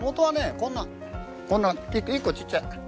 こんな１個ちっちゃい。